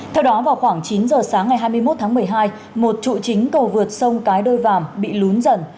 theo đó vào khoảng chín giờ sáng ngày hai mươi một tháng một mươi hai một trụ chính cầu vượt sông cái đôi vàm bị lún dần